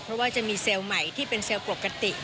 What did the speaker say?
เพราะว่าจะมีเซลล์ใหม่ที่เป็นเซลล์ปกติ